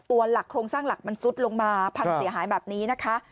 หลักโครงสร้างหลักมันซุดลงมาพังเสียหายแบบนี้นะคะ